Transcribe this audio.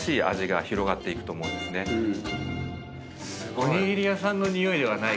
おにぎり屋さんのにおいではない。